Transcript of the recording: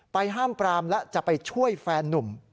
ห้ามปรามและจะไปช่วยแฟนนุ่ม